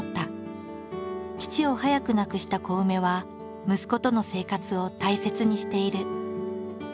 父を早く亡くしたコウメは息子との生活を大切にしている。